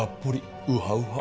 ウハウハ。